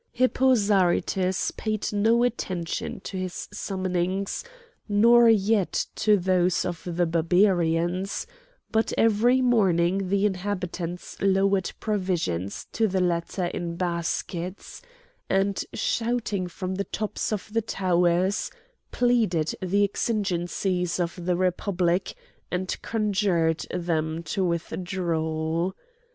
Hippo Zarytus paid no attention to his summonings nor yet to those of the Barbarians; but every morning the inhabitants lowered provisions to the latter in baskets, and shouting from the tops of the towers pleaded the exigencies of the Republic and conjured them to withdraw.